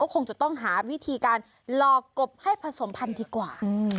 คงจะต้องหาวิธีการหลอกกบให้ผสมพันธุ์ดีกว่า